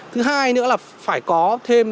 thứ hai nữa là phải có thêm